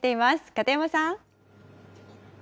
片山さん。